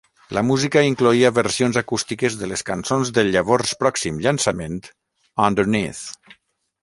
La música incloïa versions acústiques de les cançons del llavors pròxim llançament, "Underneath".